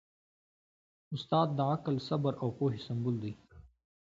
استاد د عقل، صبر او پوهې سمبول دی.